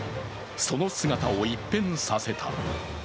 その姿を一変させた。